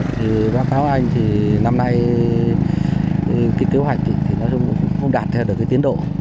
thì bang pháo hoàng anh năm nay kịp kế hoạch thì nó không đạt theo được tiến độ